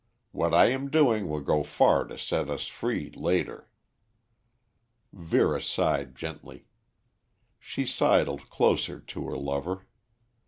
What I am doing will go far to set us free later." Vera sighed gently. She sidled closer to her lover.